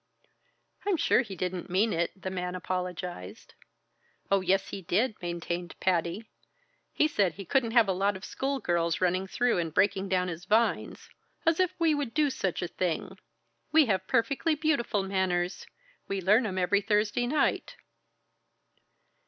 "I'm sure he didn't mean it," the man apologized. "Oh, yes, he did!" maintained Patty. "He said he couldn't have a lot of school girls running through and breaking down his vines as if we would do such a thing! We have perfectly beautiful manners. We learn 'em every Thursday night."